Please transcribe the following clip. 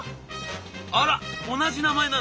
「あら同じ名前なの？